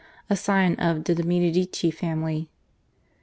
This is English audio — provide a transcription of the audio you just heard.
a scion of de' Medici family.